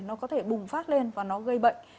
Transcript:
nó có thể bùng phát lên và nó gây bệnh